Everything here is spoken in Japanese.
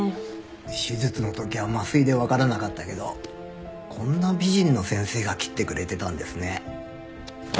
手術の時は麻酔でわからなかったけどこんな美人の先生が切ってくれてたんですね。